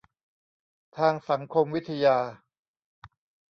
ทางสังคมวิทยา